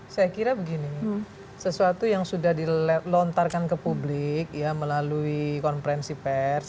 saya kira begini sesuatu yang sudah dilontarkan ke publik ya melalui konferensi pers